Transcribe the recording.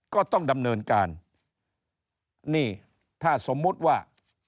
ก็ต้องดำเนินการนี่ถ้าสมมุติว่า